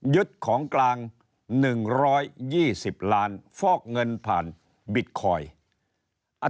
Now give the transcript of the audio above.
ยึดของกลาง๑๒๐ล้านฟอกเงินผ่านบิตคอยน์